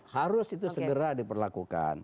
harus itu segera diperlakukan